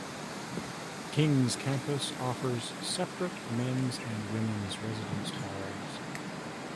King's campus offers separate men's and women's residence halls.